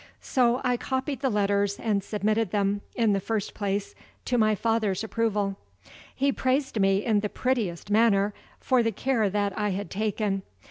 So I copied the letters, and submitted them, in the first place, to my father's approval. He praised me in the prettiest manner for the care that I had taken.